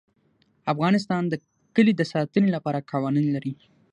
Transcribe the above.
افغانستان د کلي د ساتنې لپاره قوانین لري.